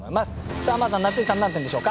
さあまずは夏井さん何点でしょうか？